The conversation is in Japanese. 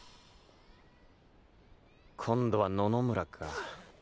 今度は野々村か。